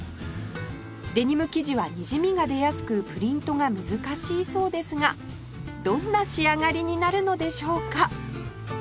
デニム生地はにじみが出やすくプリントが難しいそうですがどんな仕上がりになるのでしょうか？